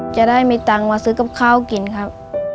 จะได้มีตังค์มาซื้อกับข้าวกินครับ